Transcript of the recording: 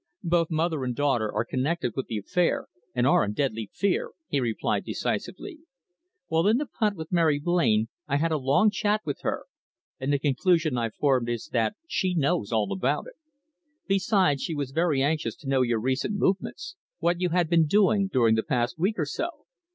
"Both mother and daughter are connected with the affair, and are in deadly fear," he replied decisively. "While in the punt with Mary Blain I had a long chat with her, and the conclusion I've formed is that she knows all about it. Besides, she was very anxious to know your recent movements what you had been doing during the past week or so."